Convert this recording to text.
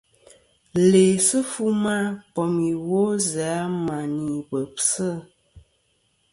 Læsɨ fu ma bom iwo zɨ a mà ni bebsɨ.